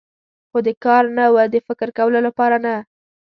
خو د کار نه و، د فکر کولو لپاره نه.